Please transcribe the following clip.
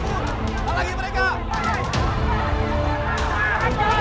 keluar keluar keluar